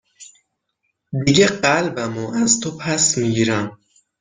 دیگه قلبم از تو پس میگیرم